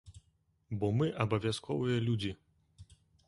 Бо мы абавязковыя людзі.